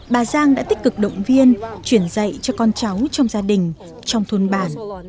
bà giang đã tích cực động viên truyền dạy cho con cháu trong gia đình trong thôn bản